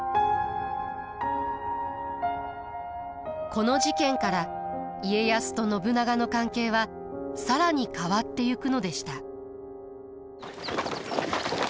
この事件から家康と信長の関係は更に変わってゆくのでした。